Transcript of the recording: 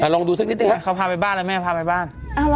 ลองดูสักนิดหนึ่งเขาพาไปบ้านแล้วแม่พาไปบ้าน